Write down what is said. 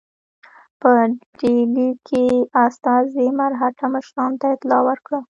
په ډهلي کې استازي مرهټه مشرانو ته اطلاع ورکړه.